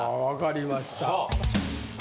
分かりました。